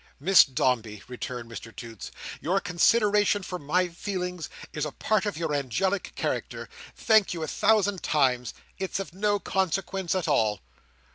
"Miss Dombey," returned Mr Toots, "your consideration for my feelings is a part of your angelic character. Thank you a thousand times. It's of no consequence at all."